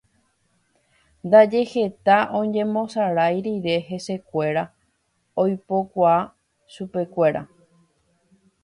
Ndaje heta oñembosarai rire hesekuéra oipokua chupekuéra.